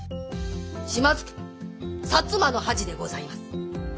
島津家摩の恥でございます。